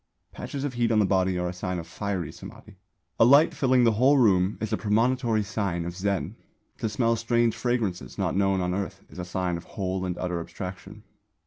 Patches of heat on the body are a sign of Fiery Samādhi. A light filling the whole room is a premonitory sign of Zen; to smell strange fragrances not known on earth is a sign of whole and utter Abstraction.